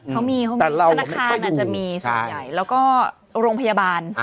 เขามีเขามีคุณฐานค่ะคุณค่ามันจะมีสุดใหญ่แล้วก็โรงพยาบาล